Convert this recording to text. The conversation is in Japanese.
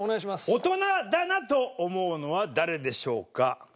大人だなと思うのは誰でしょうか？